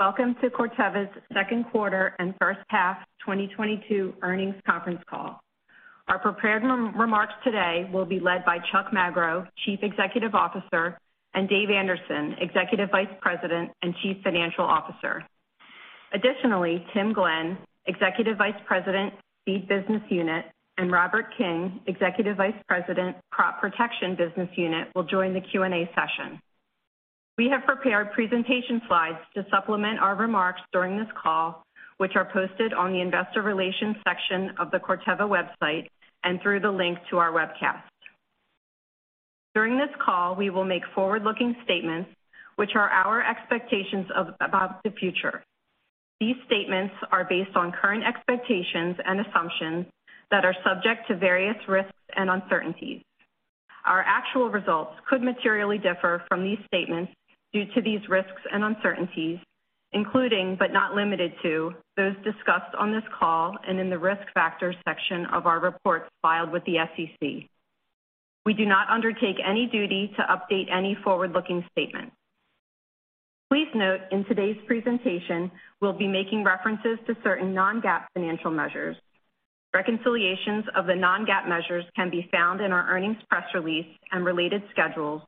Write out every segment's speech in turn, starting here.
Welcome to Corteva's Second Quarter and First Half 2022 earnings conference call. Our prepared remarks today will be led by Chuck Magro, Chief Executive Officer, and Dave Anderson, Executive Vice President and Chief Financial Officer. Additionally, Tim Glenn, Executive Vice President, Seed Business Unit, and Robert King, Executive Vice President, Crop Protection Business Unit, will join the Q&A session. We have prepared presentation slides to supplement our remarks during this call, which are posted on the investor relations section of the Corteva website and through the link to our webcast. During this call, we will make forward-looking statements which are our expectations about the future. These statements are based on current expectations and assumptions that are subject to various risks and uncertainties. Our actual results could materially differ from these statements due to these risks and uncertainties, including, but not limited to, those discussed on this call and in the Risk Factors section of our reports filed with the SEC. We do not undertake any duty to update any forward-looking statements. Please note in today's presentation, we'll be making references to certain non-GAAP financial measures. Reconciliations of the non-GAAP measures can be found in our earnings press release and related schedules,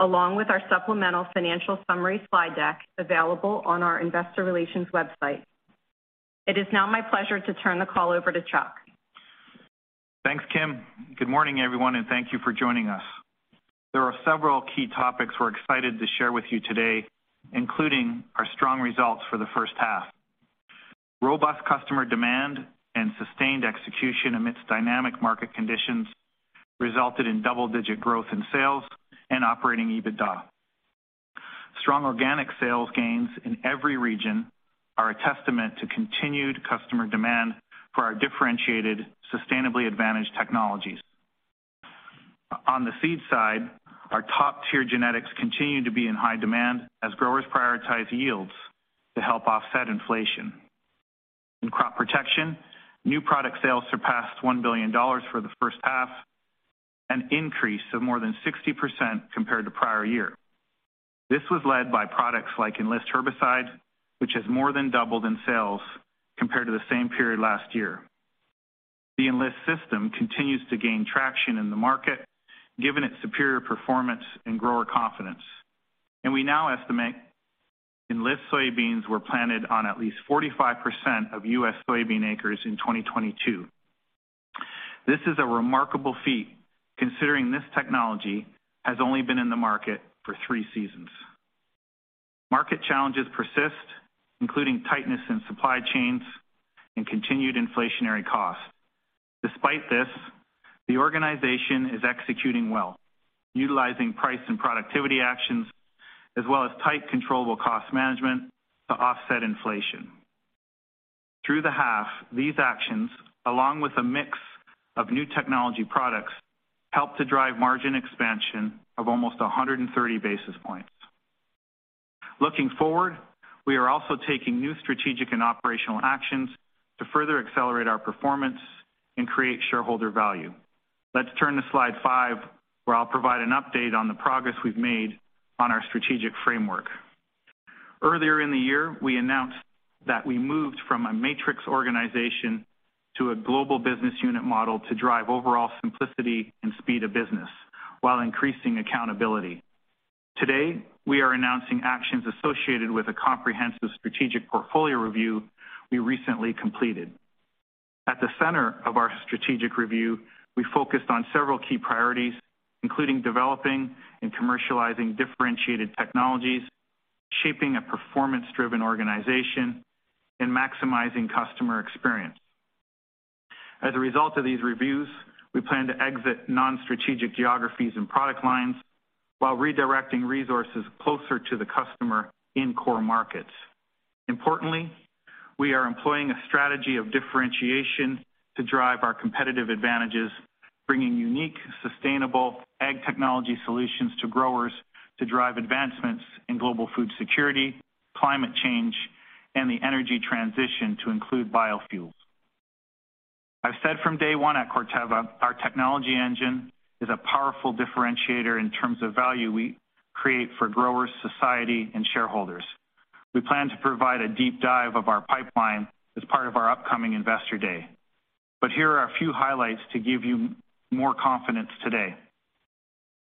along with our supplemental financial summary slide deck available on our investor relations website. It is now my pleasure to turn the call over to Chuck. Thanks, Kim. Good morning, everyone, and thank you for joining us. There are several key topics we're excited to share with you today, including our strong results for the first half. Robust customer demand and sustained execution amidst dynamic market conditions resulted in double-digit growth in sales and Operating EBITDA. Strong organic sales gains in every region are a testament to continued customer demand for our differentiated, sustainably advantaged technologies. On the seed side, our top-tier genetics continue to be in high demand as growers prioritize yields to help offset inflation. In Crop Protection, new product sales surpassed $1 billion for the first half, an increase of more than 60% compared to prior year. This was led by products like Enlist herbicide, which has more than doubled in sales compared to the same period last year. The Enlist system continues to gain traction in the market, given its superior performance and grower confidence, and we now estimate Enlist soybeans were planted on at least 45% of U.S. soybean acres in 2022. This is a remarkable feat considering this technology has only been in the market for three seasons. Market challenges persist, including tightness in supply chains and continued inflationary costs. Despite this, the organization is executing well, utilizing price and productivity actions as well as tight, controllable cost management to offset inflation. Through the half, these actions, along with a mix of new technology products, helped to drive margin expansion of almost 130 basis points. Looking forward, we are also taking new strategic and operational actions to further accelerate our performance and create shareholder value. Let's turn to slide five, where I'll provide an update on the progress we've made on our strategic framework. Earlier in the year, we announced that we moved from a matrix organization to a global business unit model to drive overall simplicity and speed of business while increasing accountability. Today, we are announcing actions associated with a comprehensive strategic portfolio review we recently completed. At the center of our strategic review, we focused on several key priorities, including developing and commercializing differentiated technologies, shaping a performance-driven organization, and maximizing customer experience. As a result of these reviews, we plan to exit non-strategic geographies and product lines while redirecting resources closer to the customer in core markets. Importantly, we are employing a strategy of differentiation to drive our competitive advantages, bringing unique, sustainable ag technology solutions to growers to drive advancements in global food security, climate change, and the energy transition to include biofuels. I've said from day one at Corteva, our technology engine is a powerful differentiator in terms of value we create for growers, society, and shareholders. We plan to provide a deep dive of our pipeline as part of our upcoming Investor Day. Here are a few highlights to give you more confidence today.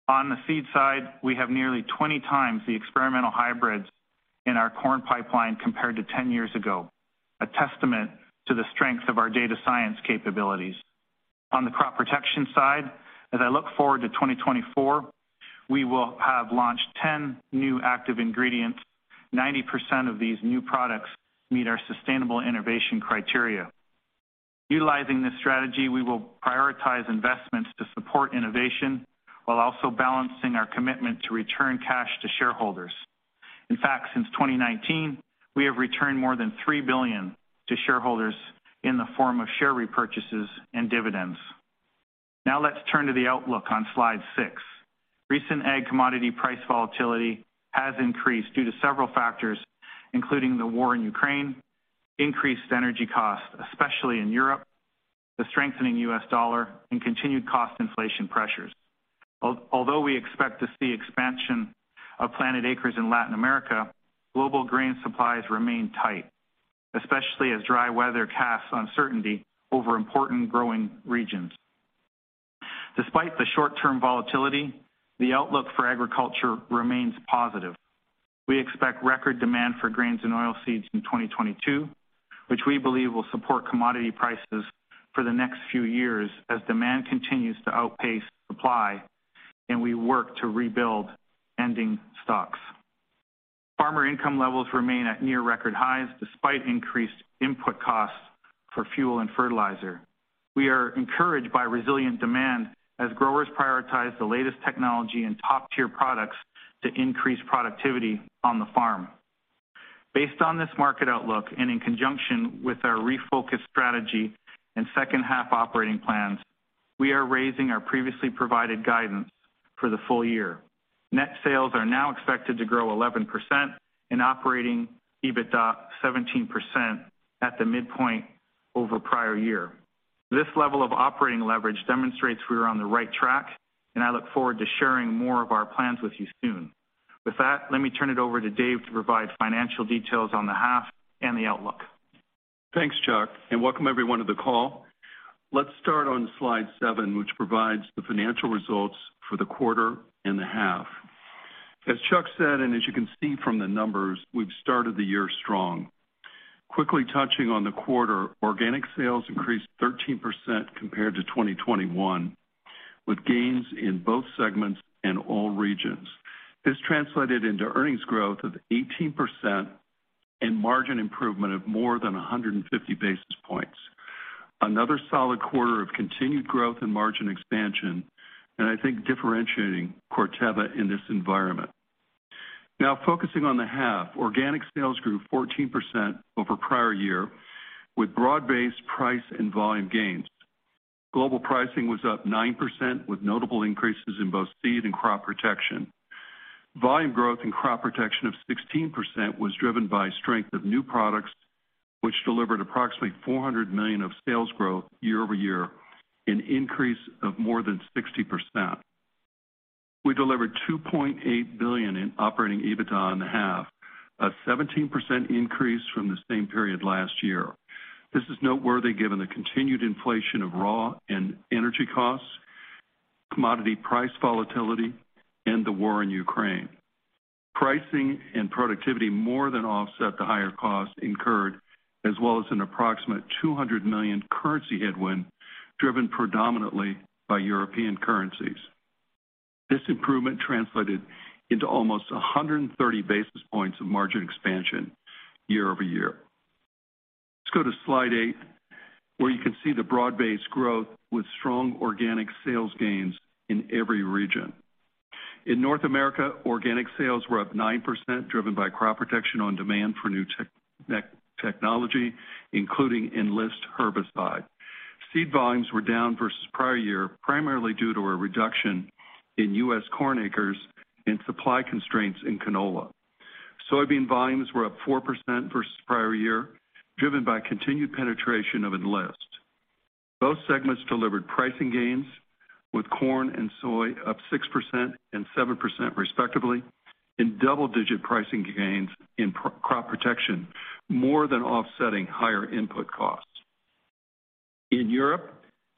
On the seed side, we have nearly 20x the experimental hybrids in our corn pipeline compared to 10 years ago, a testament to the strength of our data science capabilities. On the crop protection side, as I look forward to 2024, we will have launched 10 new active ingredients. 90% of these new products meet our sustainable innovation criteria. Utilizing this strategy, we will prioritize investments to support innovation while also balancing our commitment to return cash to shareholders. In fact, since 2019, we have returned more than $3 billion to shareholders in the form of share repurchases and dividends. Now let's turn to the outlook on slide six. Recent ag commodity price volatility has increased due to several factors, including the war in Ukraine, increased energy costs, especially in Europe. The strengthening U.S. dollar and continued cost inflation pressures. Although we expect to see expansion of planted acres in Latin America, global grain supplies remain tight, especially as dry weather casts uncertainty over important growing regions. Despite the short-term volatility, the outlook for agriculture remains positive. We expect record demand for grains and oilseeds in 2022, which we believe will support commodity prices for the next few years as demand continues to outpace supply and we work to rebuild ending stocks. Farmer income levels remain at near record highs despite increased input costs for fuel and fertilizer. We are encouraged by resilient demand as growers prioritize the latest technology and top-tier products to increase productivity on the farm. Based on this market outlook and in conjunction with our refocused strategy and second half operating plans, we are raising our previously provided guidance for the full year. Net sales are now expected to grow 11% and Operating EBITDA 17% at the midpoint over prior year. This level of operating leverage demonstrates we are on the right track, and I look forward to sharing more of our plans with you soon. With that, let me turn it over to Dave to provide financial details on the half and the outlook. Thanks, Chuck, and welcome everyone to the call. Let's start on slide seven, which provides the financial results for the quarter and the half. As Chuck said, and as you can see from the numbers, we've started the year strong. Quickly touching on the quarter, organic sales increased 13% compared to 2021, with gains in both segments and all regions. This translated into earnings growth of 18% and margin improvement of more than 150 basis points. Another solid quarter of continued growth and margin expansion, and I think differentiating Corteva in this environment. Now focusing on the half, organic sales grew 14% over prior year with broad-based price and volume gains. Global pricing was up 9% with notable increases in both seed and crop protection. Volume growth in crop protection of 16% was driven by strength of new products, which delivered approximately $400 million of sales growth year-over-year, an increase of more than 60%. We delivered $2.8 billion in operating EBITDA in the half, a 17% increase from the same period last year. This is noteworthy given the continued inflation of raw and energy costs, commodity price volatility, and the war in Ukraine. Pricing and productivity more than offset the higher costs incurred as well as an approximate $200 million currency headwind driven predominantly by European currencies. This improvement translated into almost 130 basis points of margin expansion year-over-year. Let's go to slide eight, where you can see the broad-based growth with strong organic sales gains in every region. In North America, organic sales were up 9%, driven by crop protection on demand for new technology, including Enlist herbicide. Seed volumes were down versus prior year, primarily due to a reduction in U.S. corn acres and supply constraints in canola. Soybean volumes were up 4% versus prior year, driven by continued penetration of Enlist. Both segments delivered pricing gains with corn and soy up 6% and 7% respectively in double-digit pricing gains in crop protection, more than offsetting higher input costs. In Europe,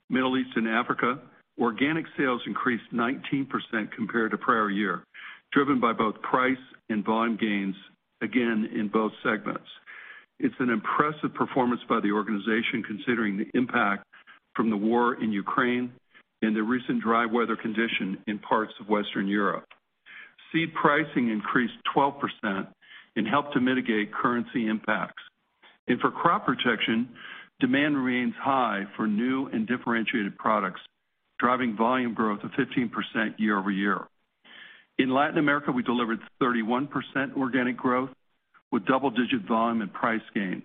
Middle East, and Africa, organic sales increased 19% compared to prior year, driven by both price and volume gains again in both segments. It's an impressive performance by the organization, considering the impact from the war in Ukraine and the recent dry weather condition in parts of Western Europe. Seed pricing increased 12% and helped to mitigate currency impacts. For crop protection, demand remains high for new and differentiated products, driving volume growth of 15% year-over-year. In Latin America, we delivered 31% organic growth with double-digit volume and price gains.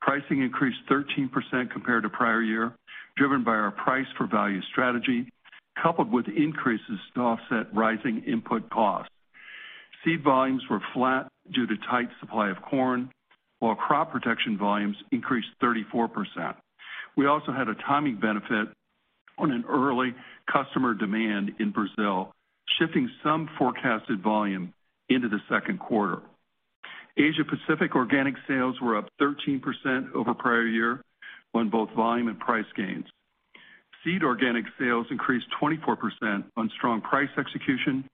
Pricing increased 13% compared to prior year, driven by our price for value strategy, coupled with increases to offset rising input costs. Seed volumes were flat due to tight supply of corn while crop protection volumes increased 34%. We also had a timing benefit on an early customer demand in Brazil, shifting some forecasted volume into the second quarter. Asia Pacific organic sales were up 13% over prior year on both volume and price gains. Seed organic sales increased 24% on strong price execution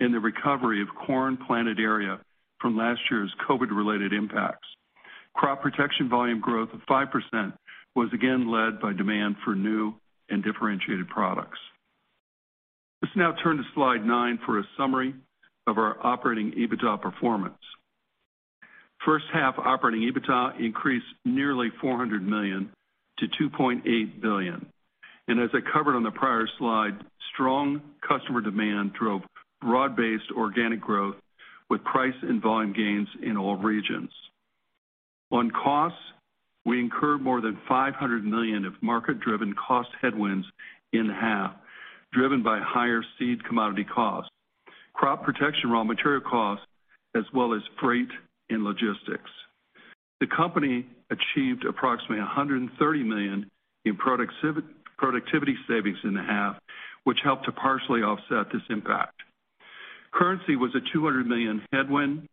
and the recovery of corn planted area from last year's COVID-related impacts. Crop protection volume growth of 5% was again led by demand for new and differentiated products. Let's now turn to slide nine for a summary of our Operating EBITDA performance. First half Operating EBITDA increased nearly $400 million to $2.8 billion. As I covered on the prior slide, strong customer demand drove broad-based organic growth with price and volume gains in all regions. On costs, we incurred more than $500 million of market-driven cost headwinds in the half, driven by higher seed commodity costs, crop protection raw material costs, as well as freight and logistics. The company achieved approximately $130 million in productivity savings in the half, which helped to partially offset this impact. Currency was a $200 million headwind,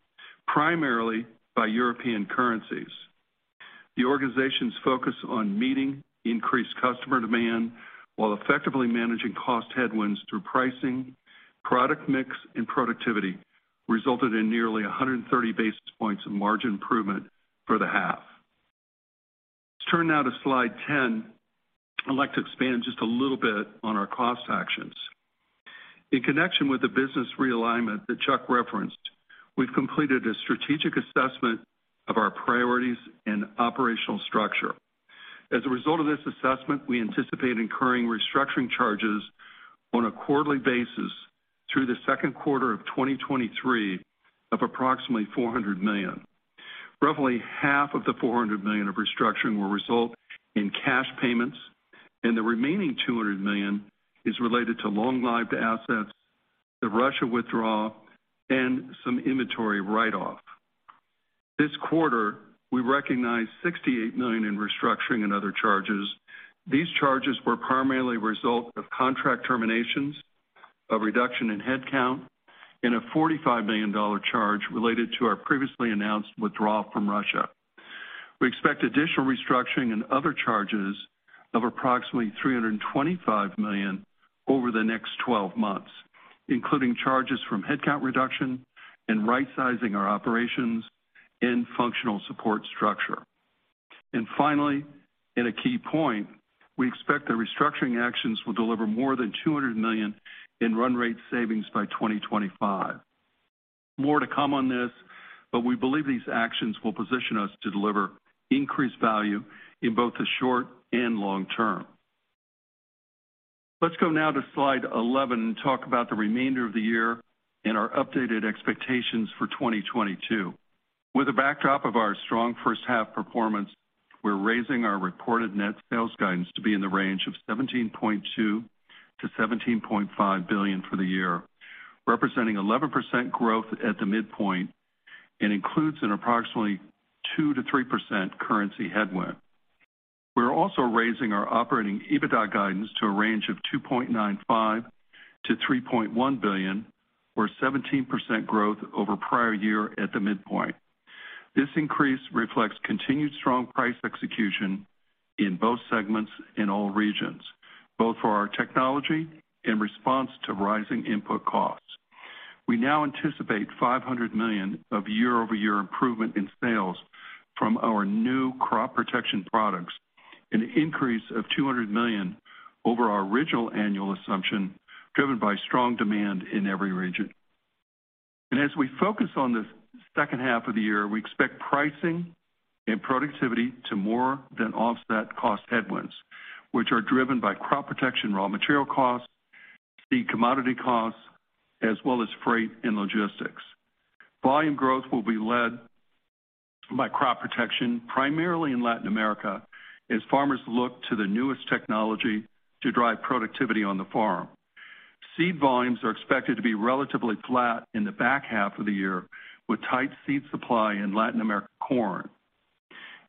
primarily by European currencies. The organization's focus on meeting increased customer demand while effectively managing cost headwinds through pricing, product mix, and productivity resulted in nearly 130 basis points of margin improvement for the half. Let's turn now to slide 10. I'd like to expand just a little bit on our cost actions. In connection with the business realignment that Chuck referenced, we've completed a strategic assessment of our priorities and operational structure. As a result of this assessment, we anticipate incurring restructuring charges on a quarterly basis through the second quarter of 2023 of approximately $400 million. Roughly half of the $400 million of restructuring will result in cash payments, and the remaining $200 million is related to long-lived assets, the Russia withdrawal, and some inventory write-off. This quarter, we recognized $68 million in restructuring and other charges. These charges were primarily a result of contract terminations, a reduction in headcount, and a $45 million charge related to our previously announced withdrawal from Russia. We expect additional restructuring and other charges of approximately $325 million over the next 12 months, including charges from headcount reduction and rightsizing our operations and functional support structure. Finally, in a key point, we expect the restructuring actions will deliver more than $200 million in run rate savings by 2025. More to come on this, but we believe these actions will position us to deliver increased value in both the short and long term. Let's go now to slide 11 and talk about the remainder of the year and our updated expectations for 2022. With a backdrop of our strong first half performance, we're raising our reported net sales guidance to be in the range of $17.2 billion-$17.5 billion for the year, representing 11% growth at the midpoint and includes an approximately 2%-3% currency headwind. We're also raising our operating EBITDA guidance to a range of $2.95 billion-$3.1 billion, or 17% growth over prior year at the midpoint. This increase reflects continued strong price execution in both segments in all regions, both for our technology and response to rising input costs. We now anticipate $500 million of year-over-year improvement in sales from our new crop protection products, an increase of $200 million over our original annual assumption, driven by strong demand in every region. As we focus on the second half of the year, we expect pricing and productivity to more than offset cost headwinds, which are driven by crop protection raw material costs, seed commodity costs, as well as freight and logistics. Volume growth will be led by crop protection, primarily in Latin America, as farmers look to the newest technology to drive productivity on the farm. Seed volumes are expected to be relatively flat in the back half of the year, with tight seed supply in Latin America corn.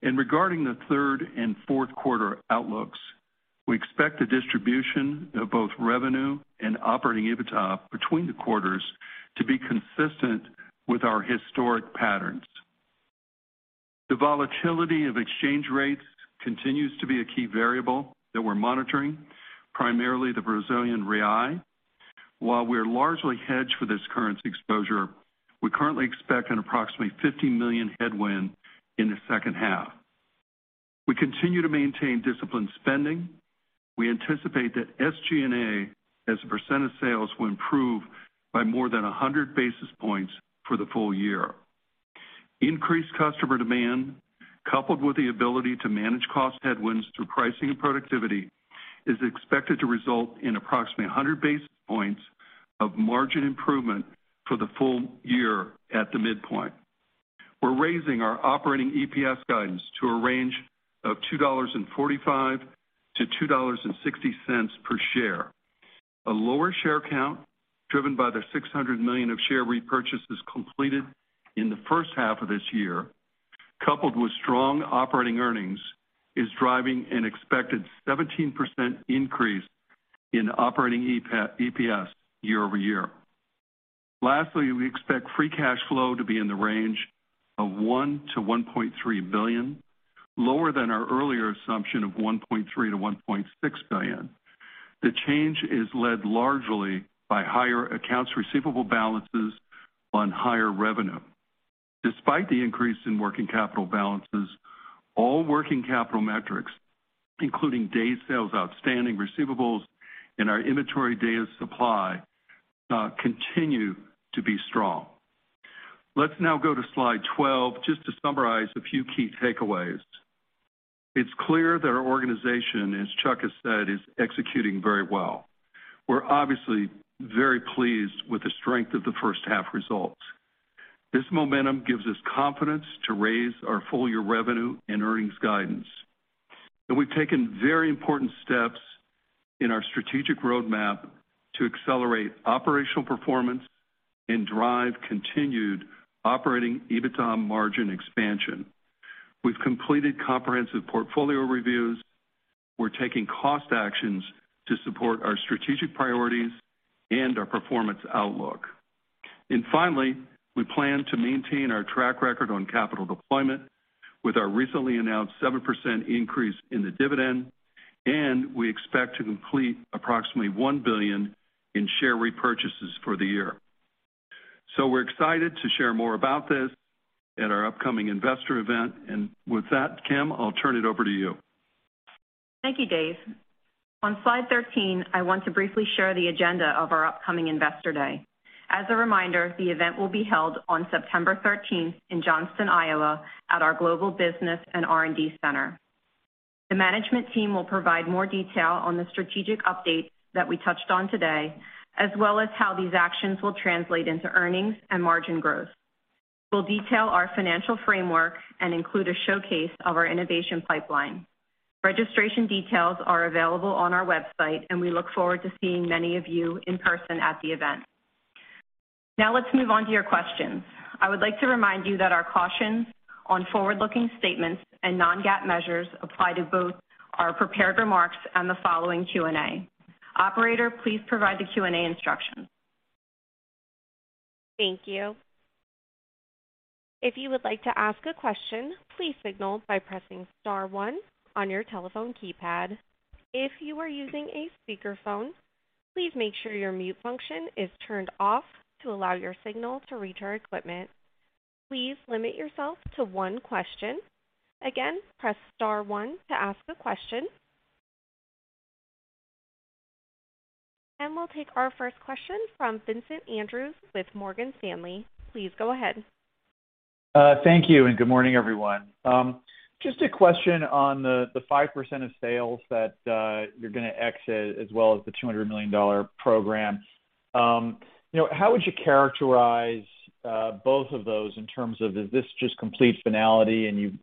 Regarding the third and fourth quarter outlooks, we expect the distribution of both revenue and Operating EBITDA between the quarters to be consistent with our historic patterns. The volatility of exchange rates continues to be a key variable that we're monitoring, primarily the Brazilian real. While we're largely hedged for this currency exposure, we currently expect an approximately $50 million headwind in the second half. We continue to maintain disciplined spending. We anticipate that SG&A, as a percent of sales, will improve by more than 100 basis points for the full year. Increased customer demand, coupled with the ability to manage cost headwinds through pricing and productivity, is expected to result in approximately 100 basis points of margin improvement for the full year at the midpoint. We're raising our operating EPS guidance to a range of $2.45-$2.60 per share. A lower share count, driven by the $600 million of share repurchases completed in the first half of this year, coupled with strong operating earnings, is driving an expected 17% increase in operating EPS year-over-year. Lastly, we expect free cash flow to be in the range of $1-$1.3 billion, lower than our earlier assumption of $1.3-$1.6 billion. The change is led largely by higher accounts receivable balances on higher revenue. Despite the increase in working capital balances, all working capital metrics, including Days Sales Outstanding receivables and our inventory days supply, continue to be strong. Let's now go to slide 12 just to summarize a few key takeaways. It's clear that our organization, as Chuck has said, is executing very well. We're obviously very pleased with the strength of the first half result. This momentum gives us confidence to raise our full year revenue and earnings guidance. We've taken very important steps in our strategic roadmap to accelerate operational performance and drive continued Operating EBITDA margin expansion. We've completed comprehensive portfolio reviews. We're taking cost actions to support our strategic priorities and our performance outlook. Finally, we plan to maintain our track record on capital deployment with our recently announced 7% increase in the dividend, and we expect to complete approximately $1 billion in share repurchases for the year. We're excited to share more about this at our upcoming investor event. With that, Kim, I'll turn it over to you. Thank you, Dave. On slide 13, I want to briefly share the agenda of our upcoming Investor Day. As a reminder, the event will be held on September 13th in Johnston, Iowa, at our global business and R&D center. The management team will provide more detail on the strategic updates that we touched on today, as well as how these actions will translate into earnings and margin growth. We'll detail our financial framework and include a showcase of our innovation pipeline. Registration details are available on our website, and we look forward to seeing many of you in person at the event. Now, let's move on to your questions. I would like to remind you that our cautions on forward-looking statements and non-GAAP measures apply to both our prepared remarks and the following Q&A. Operator, please provide the Q&A instructions. Thank you. If you would like to ask a question, please signal by pressing star one on your telephone keypad. If you are using a speakerphone, please make sure your mute function is turned off to allow your signal to reach our equipment. Please limit yourself to one question. Again, press star one to ask a question. We'll take our first question from Vincent Andrews with Morgan Stanley. Please go ahead. Thank you and good morning, everyone. Just a question on the 5% of sales that you're gonna exit, as well as the $200 million program. You know, how would you characterize both of those in terms of, is this just complete finality and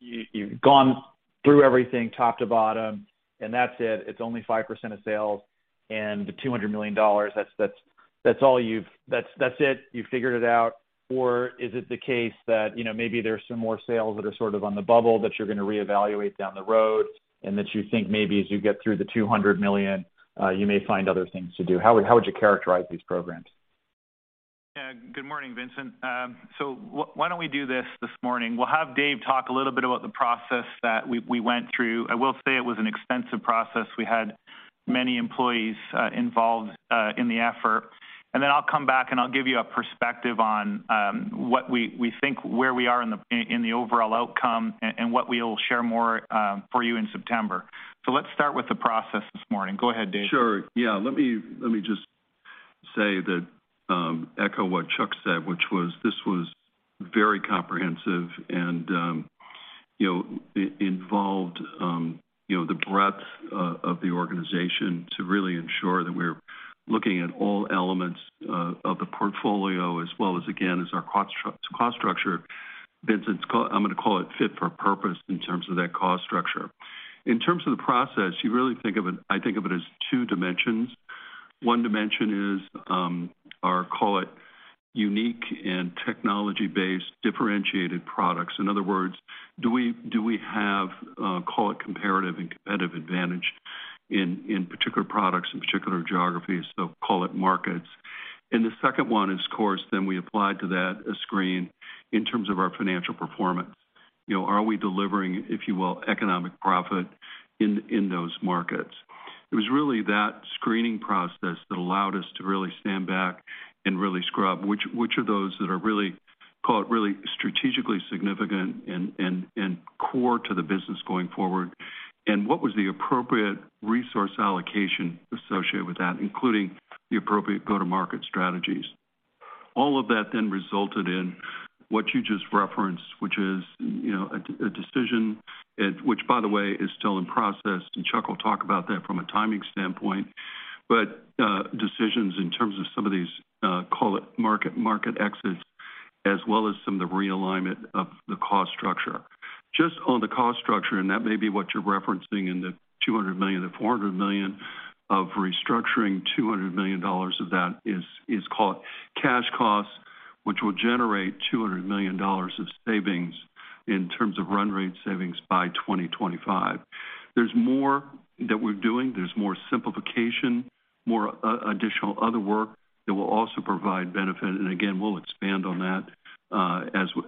you've gone through everything top to bottom and that's it? It's only 5% of sales and the $200 million, that's it. You've figured it out. Or is it the case that, you know, maybe there's some more sales that are sort of on the bubble that you're gonna reevaluate down the road and that you think maybe as you get through the $200 million, you may find other things to do. How would you characterize these programs? Yeah. Good morning, Vincent. So why don't we do this this morning? We'll have Dave talk a little bit about the process that we went through. I will say it was an extensive process. We had many employees involved in the effort. I'll come back, and I'll give you a perspective on what we think where we are in the overall outcome and what we'll share more for you in September. Let's start with the process this morning. Go ahead, Dave. Sure. Yeah. Let me just say that, echo what Chuck said, which was, this was very comprehensive and, you know, involved, you know, the breadth of the organization to really ensure that we're looking at all elements of the portfolio as well as, again, as our cost structure. Vincent, it's called. I'm gonna call it fit for purpose in terms of that cost structure. In terms of the process, I think of it as two dimensions. One dimension is, or call it unique and technology-based differentiated products. In other words, do we have, call it comparative and competitive advantage in particular products, in particular geographies, so call it markets. The second one is, of course, then we apply to that a screen in terms of our financial performance. You know, are we delivering, if you will, economic profit in those markets? It was really that screening process that allowed us to really stand back and really scrub which of those that are really, call it really strategically significant and core to the business going forward, and what was the appropriate resource allocation associated with that, including the appropriate go-to-market strategies. All of that then resulted in what you just referenced, which is, you know, a decision which by the way, is still in process, and Chuck will talk about that from a timing standpoint. Decisions in terms of some of these, call it market exits, as well as some of the realignment of the cost structure. Just on the cost structure, and that may be what you're referencing in the $200 million-$400 million of restructuring. $200 million of that is called cash costs, which will generate $200 million of savings in terms of run rate savings by 2025. There's more that we're doing. There's more simplification, more additional other work that will also provide benefit. Again, we'll expand on that,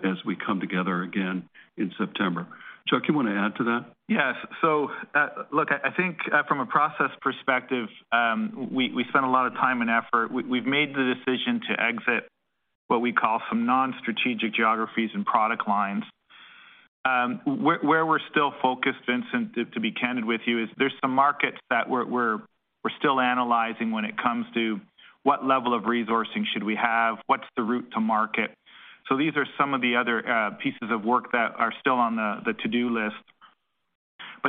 as we come together again in September. Chuck, you wanna add to that? Yes. Look, I think from a process perspective we spent a lot of time and effort. We've made the decision to exit what we call some non-strategic geographies and product lines. Where we're still focused, Vincent, to be candid with you, is there's some markets that we're still analyzing when it comes to what level of resourcing should we have, what's the route to market. These are some of the other pieces of work that are still on the to-do list.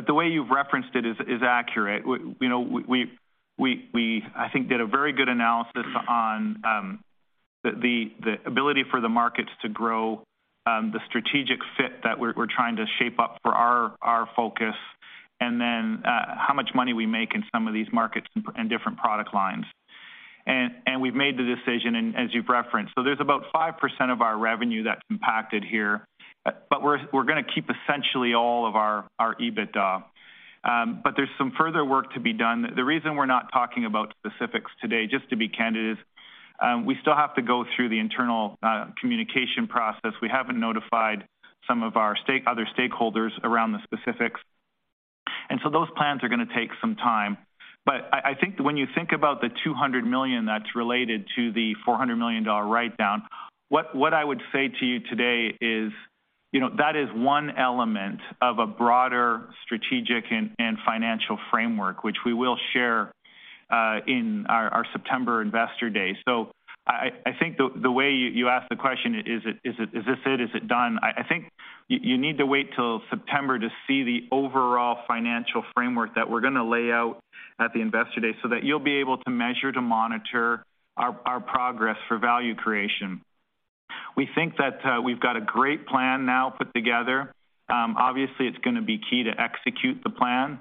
The way you've referenced it is accurate. We, you know, I think did a very good analysis on the ability for the markets to grow, the strategic fit that we're trying to shape up for our focus, and then how much money we make in some of these markets and different product lines. We've made the decision, as you've referenced. There's about 5% of our revenue that's impacted here. We're gonna keep essentially all of our EBITDA. There's some further work to be done. The reason we're not talking about specifics today, just to be candid, is we still have to go through the internal communication process. We haven't notified some of our other stakeholders around the specifics. Those plans are gonna take some time. I think when you think about the $200 million that's related to the $400 million write down, what I would say to you today is, you know, that is one element of a broader strategic and financial framework, which we will share in our September Investor Day. I think the way you ask the question, is it, is this it? Is it done? I think you need to wait till September to see the overall financial framework that we're gonna lay out at the Investor Day so that you'll be able to measure, to monitor our progress for value creation. We think that we've got a great plan now put together. Obviously, it's gonna be key to execute the plan.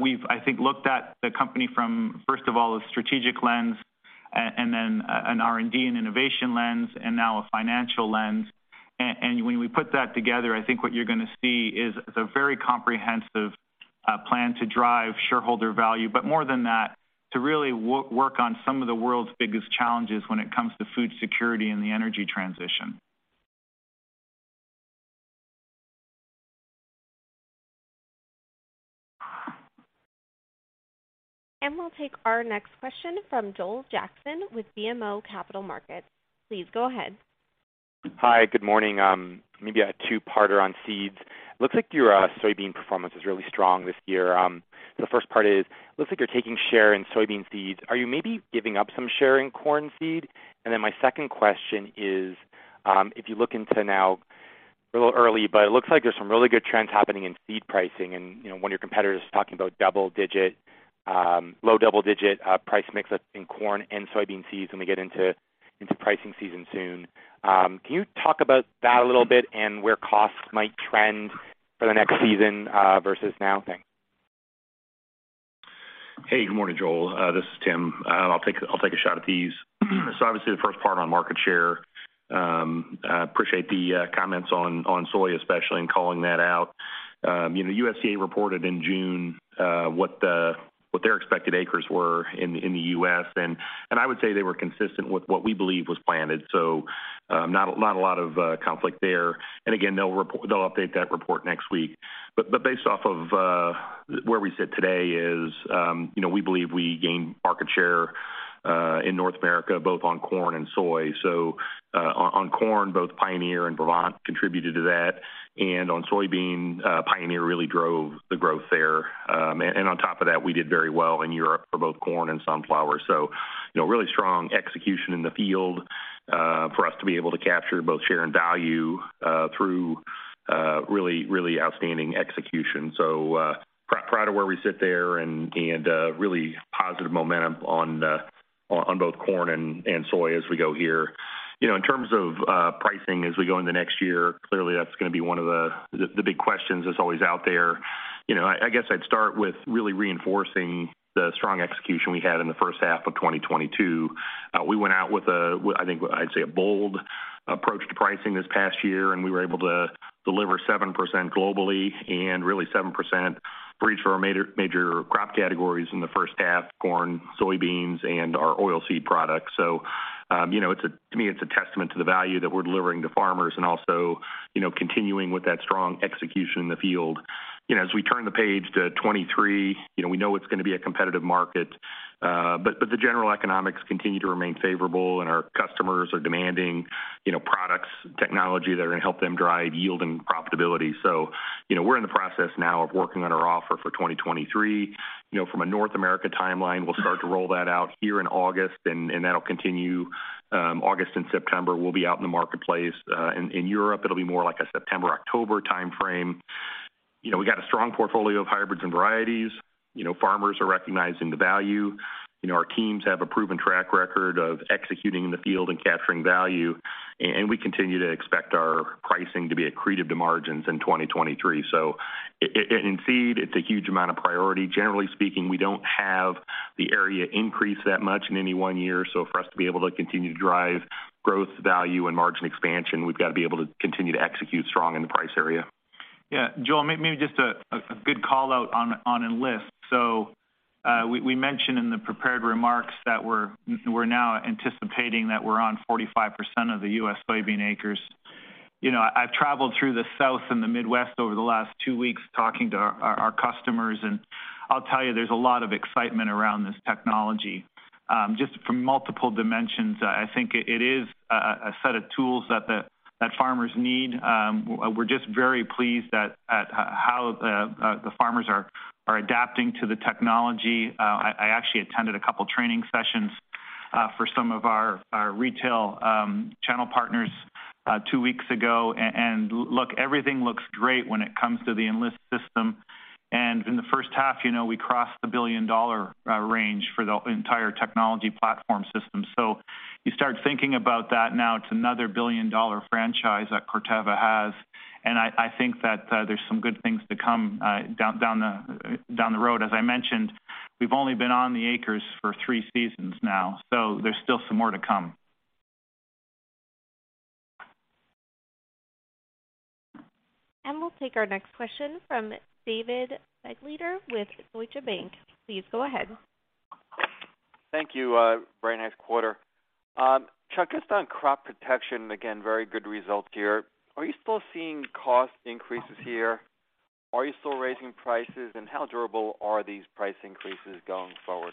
We've, I think, looked at the company from, first of all, a strategic lens and then an R&D and innovation lens, and now a financial lens. When we put that together, I think what you're gonna see is a very comprehensive plan to drive shareholder value, but more than that, to really work on some of the world's biggest challenges when it comes to food security and the energy transition. We'll take our next question from Joel Jackson with BMO Capital Markets. Please go ahead. Hi, good morning. Maybe a two-parter on seeds. Looks like your soybean performance is really strong this year. The first part is, looks like you're taking share in soybean seeds. Are you maybe giving up some share in corn seed? Then my second question is, if you look into now a little early, but it looks like there's some really good trends happening in seed pricing. You know, one of your competitors is talking about double digit, low double-digit, price mix in corn and soybean seeds when we get into pricing season soon. Can you talk about that a little bit and where costs might trend for the next season versus now? Thanks. Hey, good morning, Joel. This is Tim. I'll take a shot at these. Obviously, the first part on market share, I appreciate the comments on soy, especially in calling that out. You know, USDA reported in June what their expected acres were in the U.S., and I would say they were consistent with what we believe was planted. Not a lot of conflict there. Again, they'll update that report next week. Based off of where we sit today, you know, we believe we gained market share in North America, both on corn and soy. On corn, both Pioneer and Brevant contributed to that. On soybean, Pioneer really drove the growth there. On top of that, we did very well in Europe for both corn and sunflower. You know, really strong execution in the field for us to be able to capture both share and value through really outstanding execution. Proud of where we sit there and really positive momentum on both corn and soy as we go here. You know, in terms of pricing as we go into next year, clearly, that's gonna be one of the big questions that's always out there. You know, I guess I'd start with really reinforcing the strong execution we had in the first half of 2022. We went out with a, I think I'd say a bold approach to pricing this past year, and we were able to deliver 7% globally and really 7% across our major crop categories in the first half, corn, soybeans, and our oilseed products. You know, to me, it's a testament to the value that we're delivering to farmers and also, you know, continuing with that strong execution in the field. You know, as we turn the page to 2023, you know, we know it's gonna be a competitive market, but the general economics continue to remain favorable and our customers are demanding, you know, products, technology that are gonna help them drive yield and profitability. You know, we're in the process now of working on our offer for 2023. You know, from a North America timeline, we'll start to roll that out here in August, and that'll continue August and September. We'll be out in the marketplace. In Europe, it'll be more like a September, October timeframe. You know, we got a strong portfolio of hybrids and varieties. You know, farmers are recognizing the value. You know, our teams have a proven track record of executing in the field and capturing value, and we continue to expect our pricing to be accretive to margins in 2023. In seed, it's a huge amount of priority. Generally speaking, we don't have the area increase that much in any one year. For us to be able to continue to drive growth value and margin expansion, we've got to be able to continue to execute strong in the price area. Yeah, Joel, maybe just a good call out on Enlist. We mentioned in the prepared remarks that we're now anticipating that we're on 45% of the U.S. soybean acres. You know, I've traveled through the South and the Midwest over the last two weeks talking to our customers, and I'll tell you, there's a lot of excitement around this technology just from multiple dimensions. I think it is a set of tools that farmers need. We're just very pleased at how the farmers are adapting to the technology. I actually attended a couple of training sessions for some of our retail channel partners two weeks ago. Look, everything looks great when it comes to the Enlist system. In the first half, you know, we crossed the $1 billion range for the entire technology platform system. You start thinking about that now, it's another $1 billion franchise that Corteva has. I think that there's some good things to come down the road. As I mentioned, we've only been on the acres for three seasons now, so there's still some more to come. We'll take our next question from David Begleiter with Deutsche Bank. Please go ahead. Thank you. Very nice quarter. Chuck, just on crop protection, again, very good results here. Are you still seeing cost increases here? Are you still raising prices? How durable are these price increases going forward?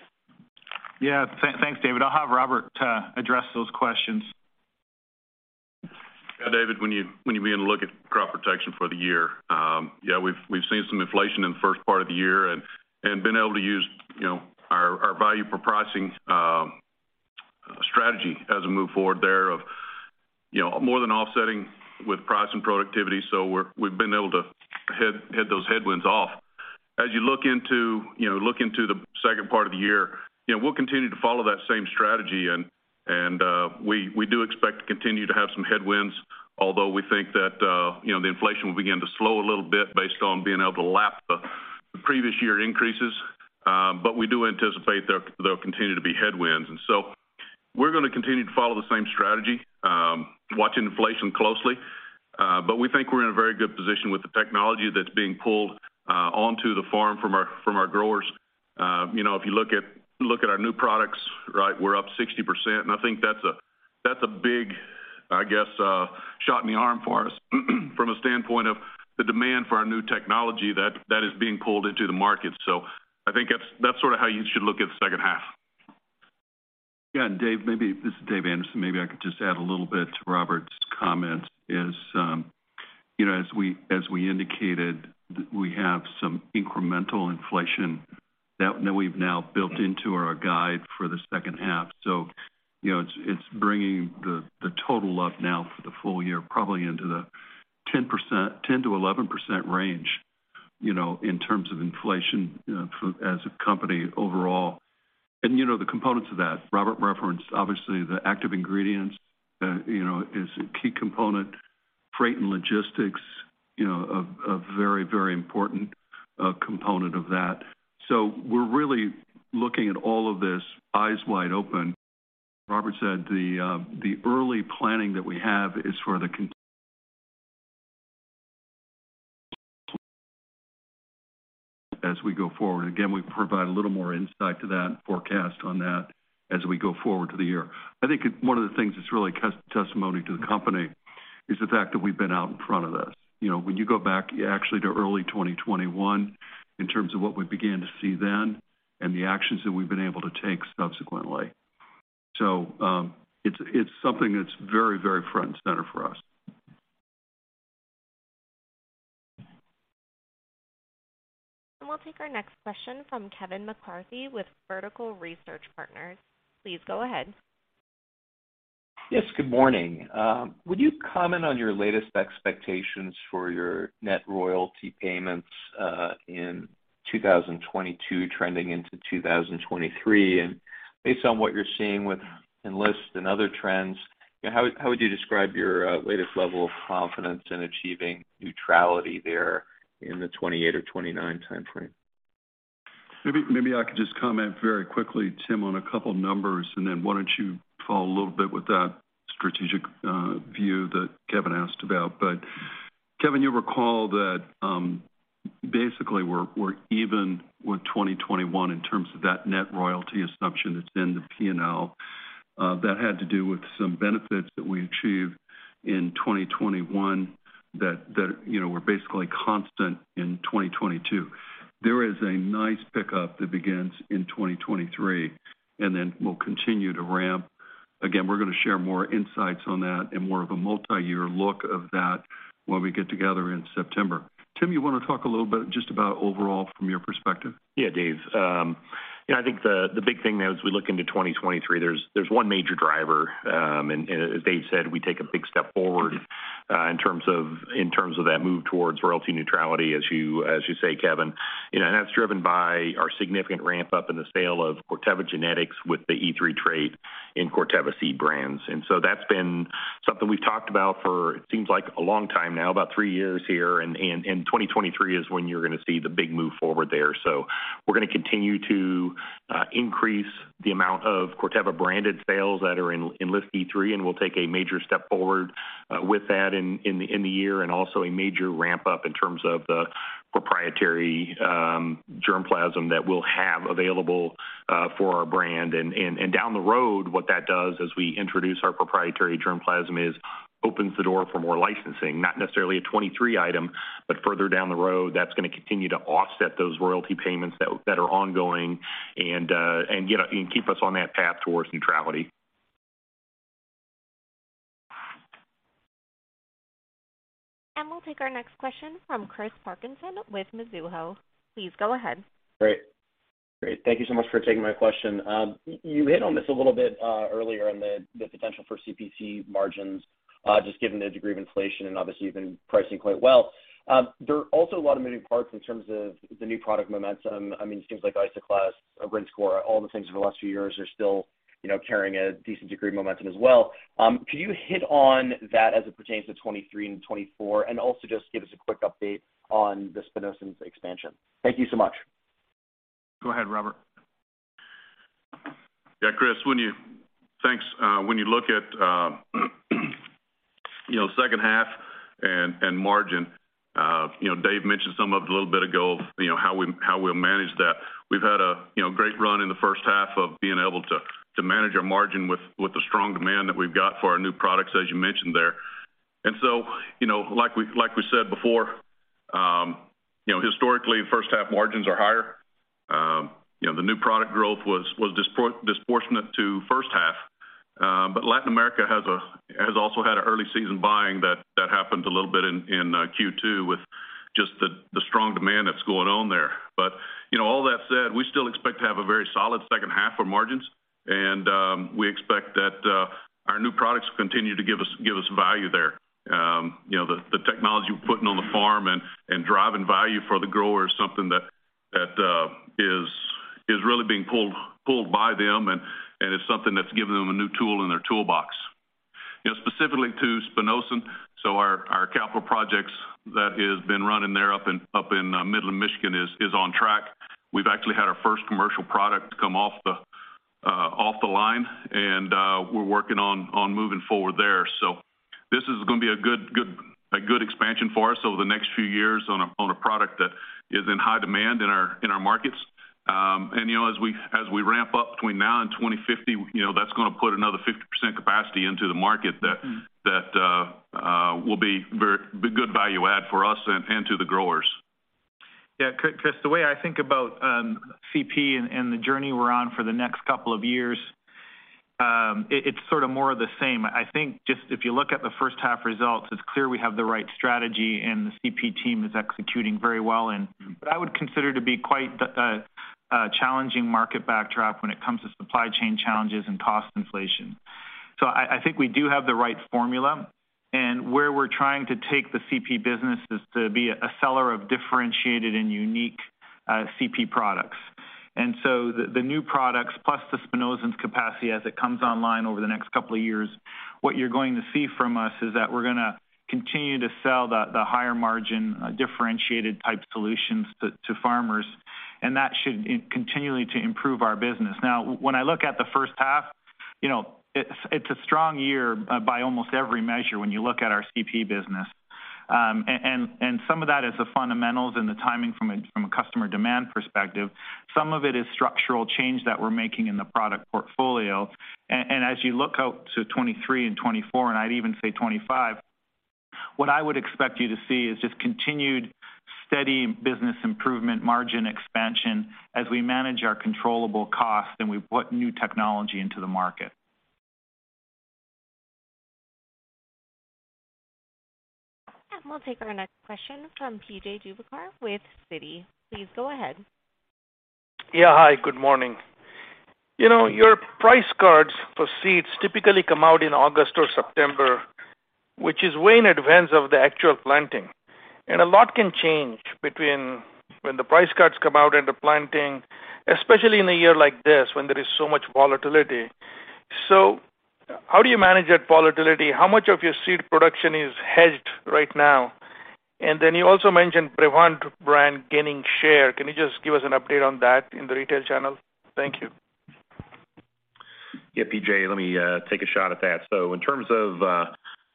Yeah. Thanks, David. I'll have Robert address those questions. Yeah, David, when you begin to look at Crop Protection for the year, yeah, we've seen some inflation in the first part of the year and been able to use, you know, our value for pricing strategy as we move forward thereof, you know, more than offsetting with price and productivity. We've been able to head those headwinds off. As you look into the second part of the year, you know, we'll continue to follow that same strategy and we do expect to continue to have some headwinds, although we think that, you know, the inflation will begin to slow a little bit based on being able to lap the previous year increases. We do anticipate there will continue to be headwinds. We're gonna continue to follow the same strategy, watching inflation closely. But we think we're in a very good position with the technology that's being pulled onto the farm from our growers. You know, if you look at our new products, right, we're up 60%, and I think that's a big shot in the arm for us from a standpoint of the demand for our new technology that is being pulled into the market. I think that's sort of how you should look at the second half. Yeah. Dave, maybe this is Dave Anderson. Maybe I could just add a little bit to Robert's comments. You know, as we indicated, we have some incremental inflation that we've now built into our guide for the second half. You know, it's bringing the total up now for the full year, probably into the 10%-11% range, you know, in terms of inflation, you know, for as a company overall. You know, the components of that Robert referenced, obviously, the active ingredients, you know, is a key component. Freight and logistics, you know, a very, very important component of that. We're really looking at all of this eyes wide open. Robert said the early planning that we have is as we go forward. Again, we provide a little more insight to that forecast on that as we go forward through the year. I think one of the things that's really testimony to the company is the fact that we've been out in front of this. You know, when you go back actually to early 2021 in terms of what we began to see then and the actions that we've been able to take subsequently. It's something that's very, very front and center for us. We'll take our next question from Kevin McCarthy with Vertical Research Partners. Please go ahead. Yes, good morning. Would you comment on your latest expectations for your net royalty payments in 2022 trending into 2023? Based on what you're seeing with Enlist and other trends, how would you describe your latest level of confidence in achieving neutrality there in the 2028 or 2029 timeframe? Maybe I could just comment very quickly, Tim, on a couple numbers, and then why don't you follow a little bit with that strategic view that Kevin asked about. Kevin, you'll recall that basically we're even with 2021 in terms of that net royalty assumption that's in the P&L. That had to do with some benefits that we achieved in 2021 that you know were basically constant in 2022. There is a nice pickup that begins in 2023 and then will continue to ramp. Again, we're gonna share more insights on that and more of a multi-year look of that when we get together in September. Tim, you wanna talk a little bit just about overall from your perspective? Yeah, Dave. You know, I think the big thing now as we look into 2023, there's one major driver. As Dave said, we take a big step forward in terms of that move towards royalty neutrality, as you say, Kevin. You know, that's driven by our significant ramp up in the sale of Corteva Genetics with the E3 trait in Corteva Seed Brands. That's been something we've talked about for it seems like a long time now, about three years here. 2023 is when you're gonna see the big move forward there. We're gonna continue to increase the amount of Corteva-branded sales that are in Enlist E3, and we'll take a major step forward with that in the year, and also a major ramp up in terms of the proprietary germplasm that we'll have available for our brand. Down the road, what that does as we introduce our proprietary germplasm is opens the door for more licensing. Not necessarily a 2023 item, but further down the road, that's gonna continue to offset those royalty payments that are ongoing and keep us on that path towards neutrality. We'll take our next question from Chris Parkinson with Mizuho. Please go ahead. Great. Thank you so much for taking my question. You hit on this a little bit earlier in the potential for CP margins just given the degree of inflation and obviously you've been pricing quite well. There are also a lot of moving parts in terms of the new product momentum. I mean, it seems like Isoclast or Rinskor, all the things over the last few years are still, you know, carrying a decent degree of momentum as well. Could you hit on that as it pertains to 2023 and 2024? Also just give us a quick update on the spinosyns expansion. Thank you so much. Go ahead, Robert. Yeah, Chris, thanks. When you look at, you know, second half and margin, you know, Dave mentioned some of it a little bit ago of, you know, how we'll manage that. We've had a great run in the first half of being able to manage our margin with the strong demand that we've got for our new products, as you mentioned there. You know, like we said before, you know, historically, first half margins are higher. You know, the new product growth was disproportionate to first half. But Latin America has also had an early season buying that happened a little bit in Q2 with just the strong demand that's going on there. You know, all that said, we still expect to have a very solid second half for margins. We expect that our new products continue to give us value there. You know, the technology we're putting on the farm and driving value for the grower is something that is really being pulled by them and it's something that's given them a new tool in their toolbox. You know, specifically to spinosyns. Our capital projects that has been running there up in Midland, Michigan is on track. We've actually had our first commercial product come off the line, and we're working on moving forward there. This is gonna be a good expansion for us over the next few years on a product that is in high demand in our markets. You know, as we ramp up between now and 2050, you know, that's gonna put another 50% capacity into the market that. Mm. that will be good value add for us and to the growers. Yeah, Chris, the way I think about CP and the journey we're on for the next couple of years, it's sort of more of the same. I think just if you look at the first half results, it's clear we have the right strategy and the CP team is executing very well in what I would consider to be quite a challenging market backdrop when it comes to supply chain challenges and cost inflation. I think we do have the right formula and where we're trying to take the CP business is to be a seller of differentiated and unique CP products. The new products plus the spinosyns capacity as it comes online over the next couple of years, what you're going to see from us is that we're gonna continue to sell the higher margin differentiated type solutions to farmers, and that should continue to improve our business. Now, when I look at the first half, you know, it's a strong year by almost every measure when you look at our CP business. And some of that is the fundamentals and the timing from a customer demand perspective. Some of it is structural change that we're making in the product portfolio. As you look out to 2023 and 2024, and I'd even say 2025, what I would expect you to see is just continued steady business improvement, margin expansion as we manage our controllable costs and we put new technology into the market. We'll take our next question from P.J. Juvekar with Citi. Please go ahead. Yeah. Hi, good morning. You know, your price guides for seeds typically come out in August or September, which is way in advance of the actual planting. A lot can change between when the price guides come out and the planting, especially in a year like this when there is so much volatility. How do you manage that volatility? How much of your seed production is hedged right now? Then you also mentioned Brevant brand gaining share. Can you just give us an update on that in the retail channel? Thank you. Yeah, P.J., let me take a shot at that. In terms of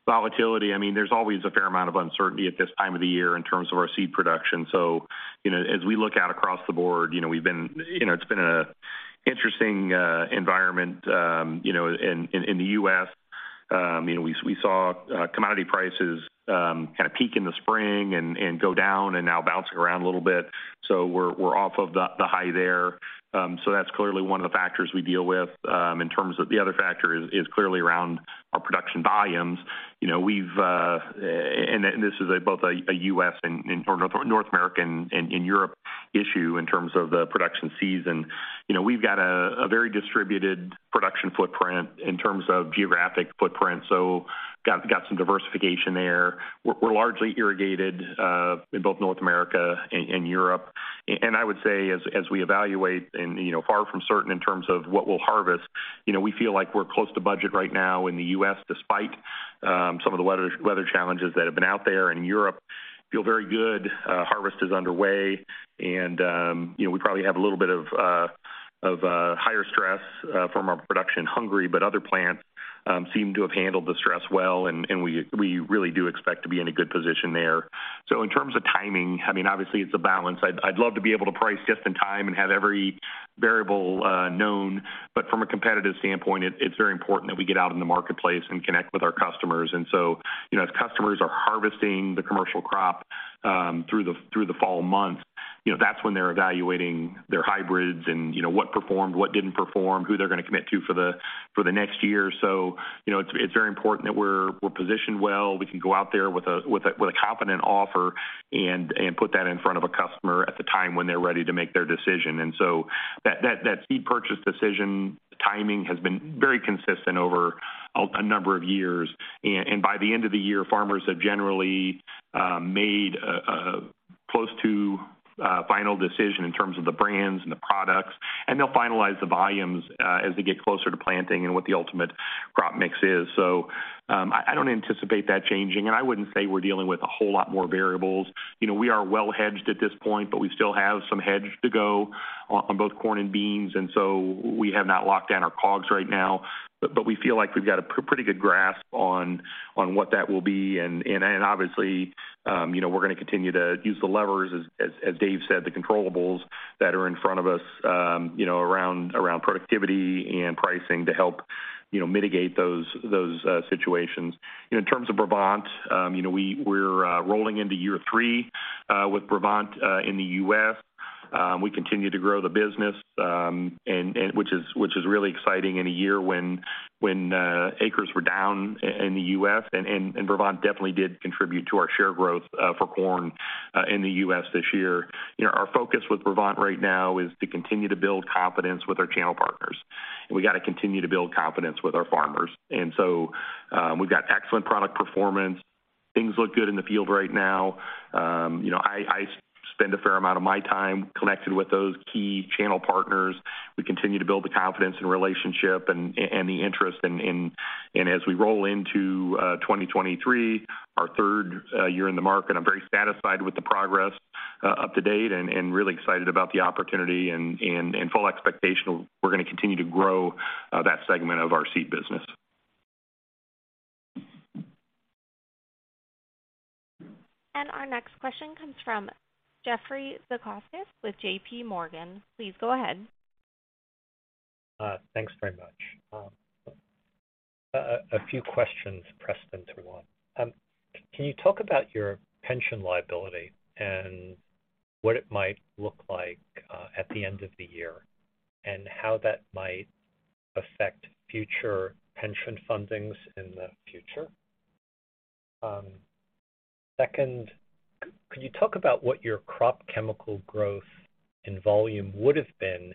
volatility, I mean, there's always a fair amount of uncertainty at this time of the year in terms of our seed production. You know, as we look out across the board, you know, it's been an interesting environment, you know, in the U.S. You know, we saw commodity prices kind of peak in the spring and go down and now bouncing around a little bit. We're off of the high there. That's clearly one of the factors we deal with in terms of the other factor is clearly around our production volumes. You know, we've and this is both a U.S. and North American and Europe issue in terms of the production season. You know, we've got a very distributed production footprint in terms of geographic footprint, so got some diversification there. We're largely irrigated in both North America and Europe. I would say as we evaluate and, you know, far from certain in terms of what we'll harvest, you know, we feel like we're close to budget right now in the U.S. despite some of the weather challenges that have been out there. In Europe, feel very good. Harvest is underway and, you know, we probably have a little bit of higher stress from our production in Hungary, but other plants seem to have handled the stress well and we really do expect to be in a good position there. In terms of timing, I mean, obviously it's a balance. I'd love to be able to price just in time and have every variable known. From a competitive standpoint, it's very important that we get out in the marketplace and connect with our customers. You know, as customers are harvesting the commercial crop. Through the fall months, you know, that's when they're evaluating their hybrids and, you know, what performed, what didn't perform, who they're gonna commit to for the next year. You know, it's very important that we're positioned well. We can go out there with a confident offer and put that in front of a customer at the time when they're ready to make their decision. That seed purchase decision timing has been very consistent over a number of years. By the end of the year, farmers have generally made a close to final decision in terms of the brands and the products, and they'll finalize the volumes as they get closer to planting and what the ultimate crop mix is. I don't anticipate that changing, and I wouldn't say we're dealing with a whole lot more variables. You know, we are well hedged at this point, but we still have some hedge to go on both corn and beans, and so we have not locked down our COGS right now. We feel like we've got a pretty good grasp on what that will be. Then obviously, you know, we're gonna continue to use the levers as Dave said, the controllables that are in front of us, you know, around productivity and pricing to help, you know, mitigate those situations. In terms of Brevant, you know, we're rolling into year three with Brevant in the U.S. We continue to grow the business, which is really exciting in a year when acres were down in the U.S. and Brevant definitely did contribute to our share growth for corn in the U.S. this year. You know, our focus with Brevant right now is to continue to build confidence with our channel partners. We got to continue to build confidence with our farmers. We've got excellent product performance. Things look good in the field right now. You know, I spend a fair amount of my time connected with those key channel partners. We continue to build the confidence and relationship and the interest in. As we roll into 2023, our third year in the market, I'm very satisfied with the progress up to date and full expectation of we're gonna continue to grow that segment of our seed business. Our next question comes from Jeffrey Zekauskas with J.P. Morgan. Please go ahead. Thanks very much. A few questions pressed into one. Can you talk about your pension liability and what it might look like at the end of the year, and how that might affect future pension fundings in the future? Second, could you talk about what your crop chemical growth and volume would have been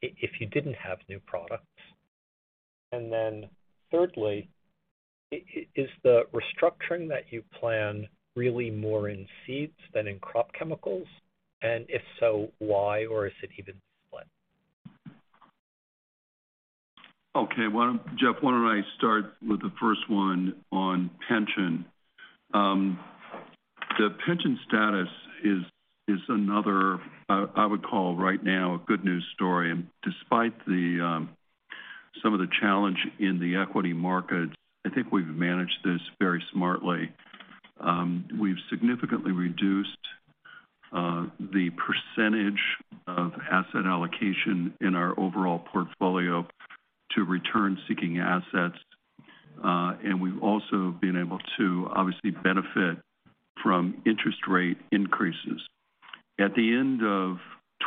if you didn't have new products? And then thirdly, is the restructuring that you planned really more in seeds than in crop chemicals? And if so, why? Or is it even split? Okay. Jeff, why don't I start with the first one on pension. The pension status is another I would call right now a good news story. Despite some of the challenge in the equity markets, I think we've managed this very smartly. We've significantly reduced the percentage of asset allocation in our overall portfolio to return seeking assets. We've also been able to obviously benefit from interest rate increases. At the end of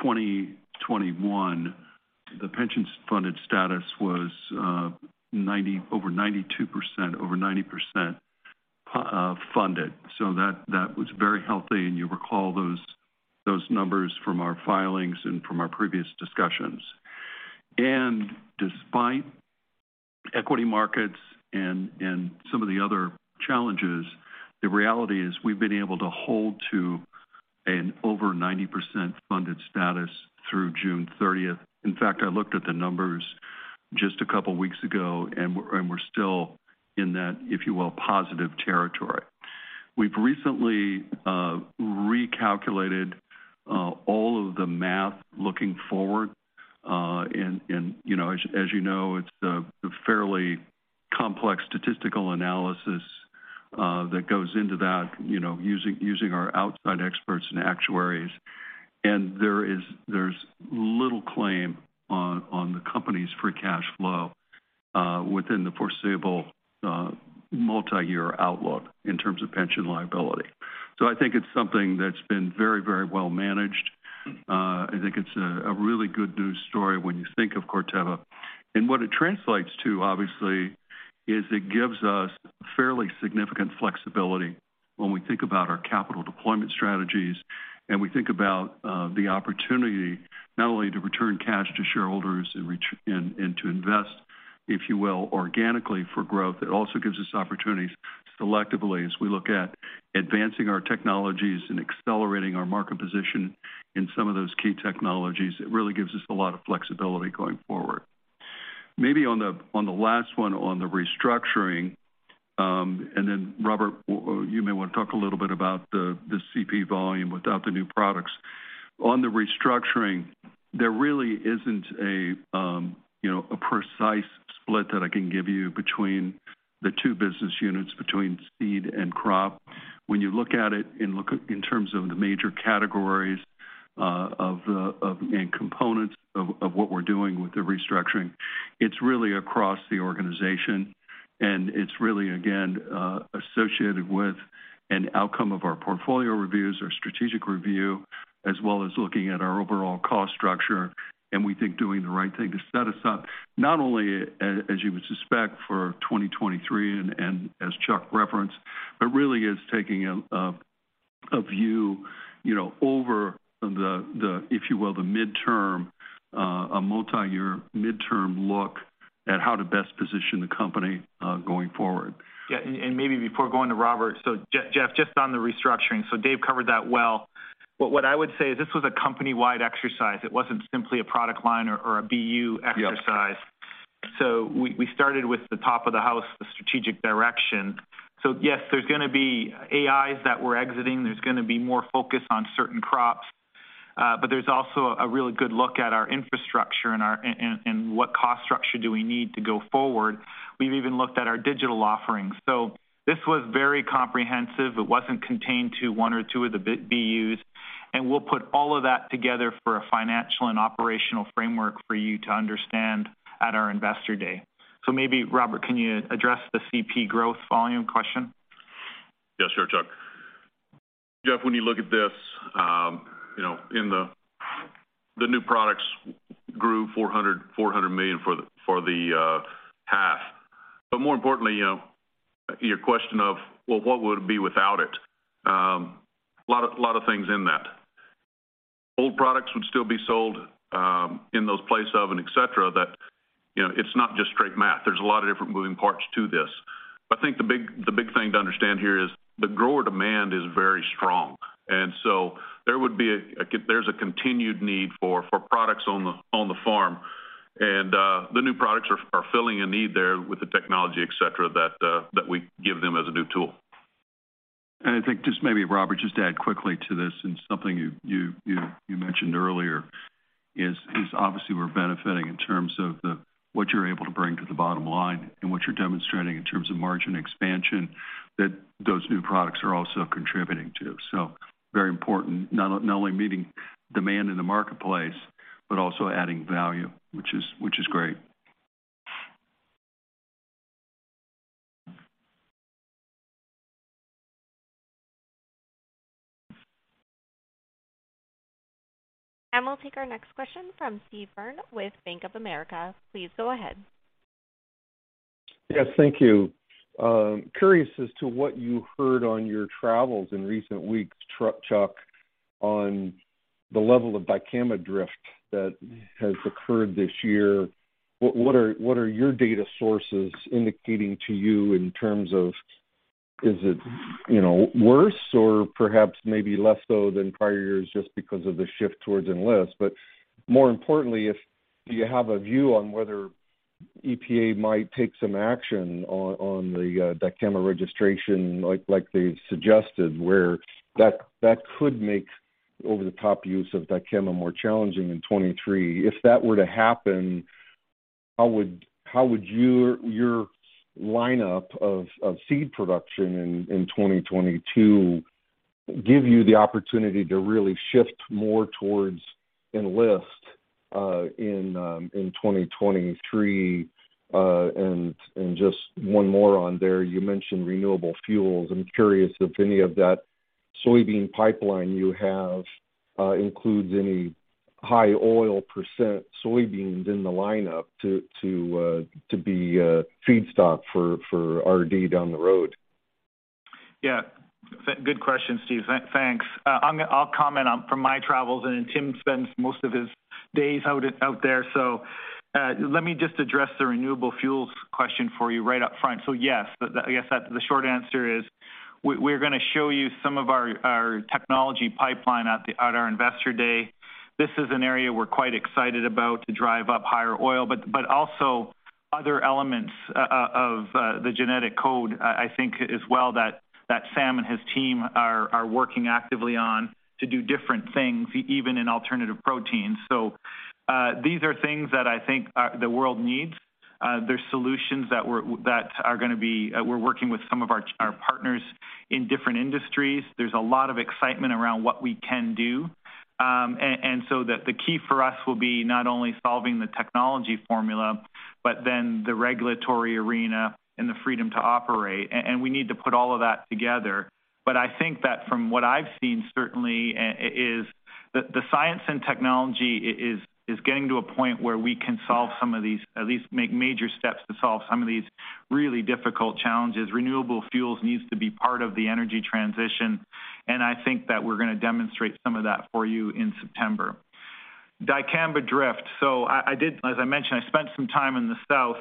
2021, the pension's funded status was over 92%, over 90% funded. That was very healthy. You recall those numbers from our filings and from our previous discussions. Despite equity markets and some of the other challenges, the reality is we've been able to hold to an over 90% funded status through June thirtieth. In fact, I looked at the numbers just a couple weeks ago, and we're still in that, if you will, positive territory. We've recently recalculated all of the math looking forward, and, you know, as you know, it's a fairly complex statistical analysis that goes into that, you know, using our outside experts and actuaries. There is little claim on the company's free cash flow within the foreseeable multi-year outlook in terms of pension liability. I think it's something that's been very well managed. I think it's a really good news story when you think of Corteva. What it translates to, obviously, is it gives us fairly significant flexibility when we think about our capital deployment strategies and we think about the opportunity not only to return cash to shareholders and to invest, if you will, organically for growth. It also gives us opportunities selectively as we look at advancing our technologies and accelerating our market position in some of those key technologies. It really gives us a lot of flexibility going forward. Maybe on the last one, on the restructuring, and then Robert, well, you may want to talk a little bit about the CP volume without the new products. On the restructuring, there really isn't a precise split that I can give you between the two business units, between seed and crop. When you look at it in terms of the major categories of the and components of what we're doing with the restructuring. It's really across the organization, and it's really, again, associated with an outcome of our portfolio reviews, our strategic review, as well as looking at our overall cost structure. We think doing the right thing to set us up, not only as you would suspect for 2023 and as Chuck referenced, but really is taking a view, you know, over the if you will, the midterm, a multiyear midterm look at how to best position the company going forward. Yeah, maybe before going to Robert. Jeff, just on the restructuring, so Dave covered that well. What I would say is this was a company-wide exercise. It wasn't simply a product line or a BU exercise. Yep. We started with the top of the house, the strategic direction. Yes, there's gonna be AIs that we're exiting. There's gonna be more focus on certain crops. There's also a really good look at our infrastructure and what cost structure do we need to go forward. We've even looked at our digital offerings. This was very comprehensive. It wasn't contained to one or two of the BUs. We'll put all of that together for a financial and operational framework for you to understand at our Investor Day. Maybe, Robert, can you address the CP growth volume question? Yes, sure, Chuck. Jeff, when you look at this, you know, in the new products grew $400 million for the half. More importantly, you know, your question of, well, what would it be without it? A lot of things in that. Old products would still be sold in place of and et cetera, that, you know, it's not just straight math. There's a lot of different moving parts to this. I think the big thing to understand here is the grower demand is very strong. There's a continued need for products on the farm. The new products are filling a need there with the technology, et cetera, that we give them as a new tool. I think just maybe, Robert, just to add quickly to this and something you mentioned earlier is obviously we're benefiting in terms of the, what you're able to bring to the bottom line and what you're demonstrating in terms of margin expansion that those new products are also contributing to. Very important, not only meeting demand in the marketplace, but also adding value, which is great. We'll take our next question from Steve Byrne with Bank of America. Please go ahead. Yes, thank you. Curious as to what you heard on your travels in recent weeks, Chuck, on the level of Dicamba drift that has occurred this year. What are your data sources indicating to you in terms of is it, you know, worse or perhaps maybe less so than prior years just because of the shift towards Enlist? More importantly, do you have a view on whether EPA might take some action on the Dicamba registration, like they've suggested, where that could make over-the-top use of Dicamba more challenging in 2023. If that were to happen, how would your lineup of seed production in 2022 give you the opportunity to really shift more towards Enlist in 2023? Just one more on there, you mentioned renewable fuels. I'm curious if any of that soybean pipeline you have includes any high oil percent soybeans in the lineup to be feedstock for R&D down the road. Yeah. Good question, Steve. Thanks. I'll comment from my travels, and then Tim spends most of his days out there. Let me just address the renewable fuels question for you right up front. Yes, I guess that's the short answer is we're gonna show you some of our technology pipeline at our Investor Day. This is an area we're quite excited about to drive up higher oil, but also other elements of the genetic code, I think as well that Sam and his team are working actively on to do different things, even in alternative proteins. These are things that I think the world needs. They're solutions that we're working with some of our partners in different industries. There's a lot of excitement around what we can do. The key for us will be not only solving the technology formula, but then the regulatory arena and the freedom to operate. We need to put all of that together. I think that from what I've seen certainly is that the science and technology is getting to a point where we can solve some of these, at least make major steps to solve some of these really difficult challenges. Renewable fuels needs to be part of the energy transition, and I think that we're gonna demonstrate some of that for you in September. Dicamba drift. I did, as I mentioned, I spent some time in the South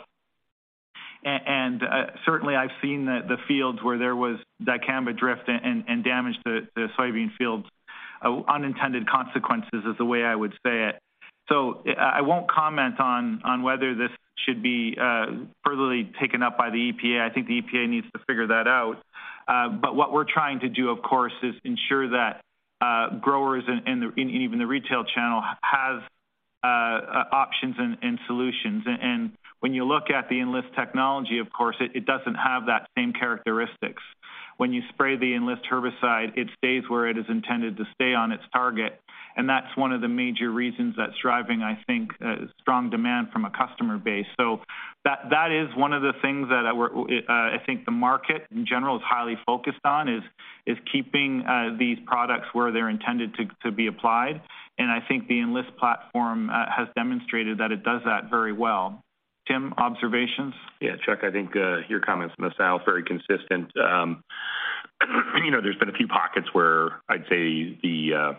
and certainly I've seen the fields where there was Dicamba drift and damage to the soybean fields. Unintended consequences is the way I would say it. I won't comment on whether this should be further taken up by the EPA. I think the EPA needs to figure that out. What we're trying to do, of course, is ensure that growers and even the retail channel have Options and solutions. When you look at the Enlist technology, of course, it doesn't have that same characteristics. When you spray the Enlist herbicide, it stays where it is intended to stay on its target. That's one of the major reasons that's driving, I think, strong demand from a customer base. That is one of the things that I think the market in general is highly focused on, is keeping these products where they're intended to be applied. I think the Enlist platform has demonstrated that it does that very well. Tim, observations? Yeah, Chuck, I think your comments in the South very consistent. You know, there's been a few pockets where I'd say the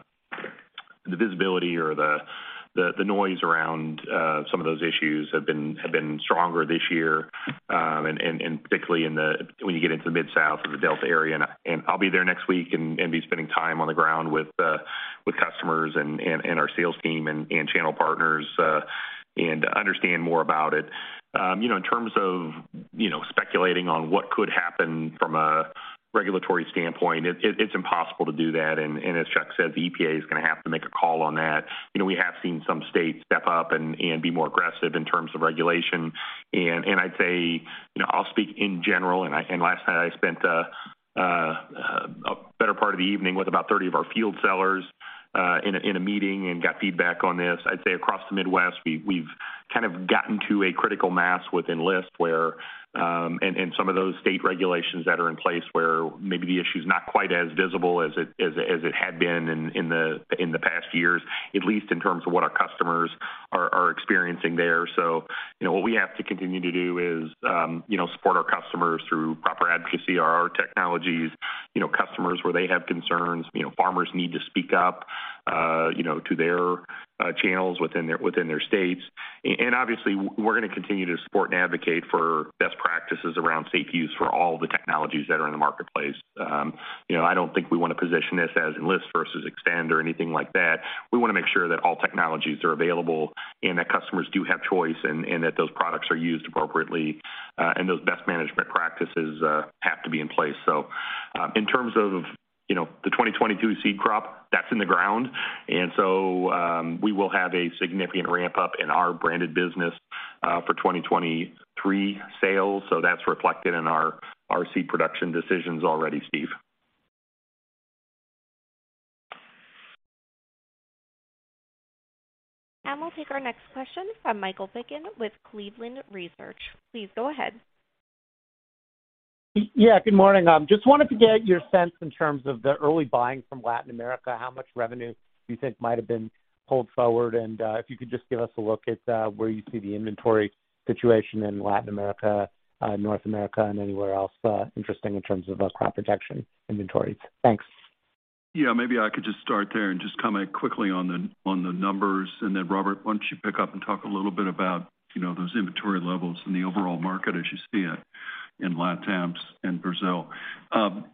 visibility or the noise around some of those issues have been stronger this year, and particularly when you get into Mid-South or the Delta area. I'll be there next week and be spending time on the ground with customers and our sales team and channel partners, and understand more about it. You know, in terms of you know, speculating on what could happen from a regulatory standpoint, it's impossible to do that. As Chuck said, the EPA is gonna have to make a call on that. You know, we have seen some states step up and be more aggressive in terms of regulation. I'd say, you know, I'll speak in general and last night I spent a better part of the evening with about 30 of our field sellers in a meeting and got feedback on this. I'd say across the Midwest, we've kind of gotten to a critical mass with Enlist where and some of those state regulations that are in place where maybe the issue is not quite as visible as it had been in the past years, at least in terms of what our customers are experiencing there. You know, what we have to continue to do is, you know, support our customers through proper advocacy around our technologies. You know, customers, where they have concerns, you know, farmers need to speak up, you know, to their channels within their states. Obviously, we're gonna continue to support and advocate for best practices around safe use for all the technologies that are in the marketplace. You know, I don't think we wanna position this as Enlist versus Xtend or anything like that. We wanna make sure that all technologies are available and that customers do have choice and that those products are used appropriately, and those best management practices have to be in place. In terms of, you know, the 2022 seed crop, that's in the ground. We will have a significant ramp-up in our branded business for 2023 sales. That's reflected in our seed production decisions already, Steve. We'll take our next question from Michael Piken with Cleveland Research. Please go ahead. Yeah, good morning. Just wanted to get your sense in terms of the early buying from Latin America, how much revenue you think might have been pulled forward? If you could just give us a look at where you see the inventory situation in Latin America, North America, and anywhere else interesting in terms of Crop Protection inventories. Thanks. Yeah, maybe I could just start there and just comment quickly on the numbers. Then Robert, why don't you pick up and talk a little bit about, you know, those inventory levels in the overall market as you see it in LatAm and Brazil.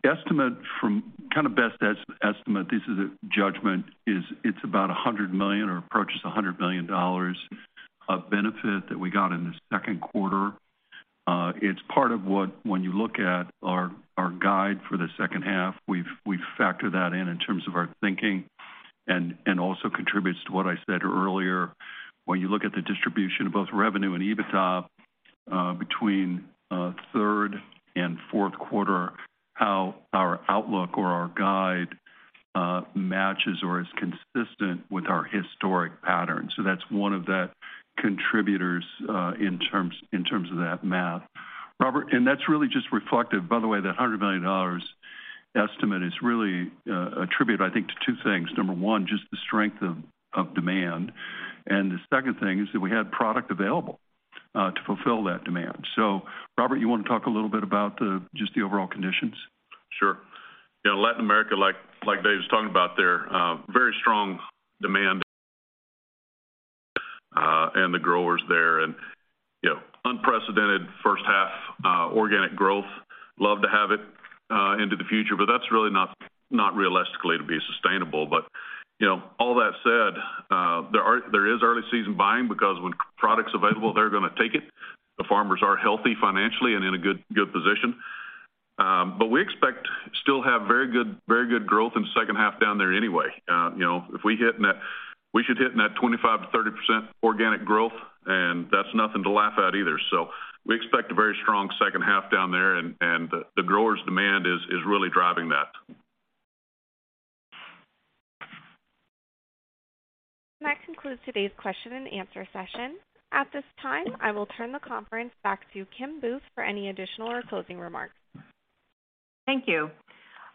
Estimate from, kind of best estimate, this is a judgment, is it's about $100 million or approaches $100 million of benefit that we got in the second quarter. It's part of what, when you look at our guide for the second half, we've factored that in in terms of our thinking and also contributes to what I said earlier. When you look at the distribution of both revenue and EBITDA between third and fourth quarter, how our outlook or our guide matches or is consistent with our historic patterns. That's one of the contributors in terms of that math. Robert. That's really just reflective. By the way, that $100 million estimate is really attributed, I think, to two things. Number one, just the strength of demand. The second thing is that we had product available to fulfill that demand. Robert, you wanna talk a little bit about just the overall conditions? Sure. In Latin America, like Dave was talking about there, very strong demand, and the growers there and, you know, unprecedented first half organic growth. Love to have it into the future, but that's really not realistically to be sustainable. You know, all that said, there is early season buying because when product's available, they're gonna take it. The farmers are healthy financially and in a good position. We expect to still have very good growth in the second half down there anyway. You know, if we hit that, we should hit that 25%-30% organic growth, and that's nothing to laugh at either. We expect a very strong second half down there and the growers' demand is really driving that. That concludes today's question and answer session. At this time, I will turn the conference back to Kim Booth for any additional or closing remarks. Thank you.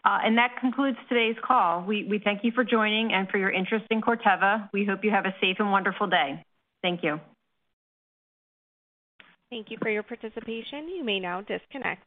That concludes today's call. We thank you for joining and for your interest in Corteva. We hope you have a safe and wonderful day. Thank you. Thank you for your participation. You may now disconnect.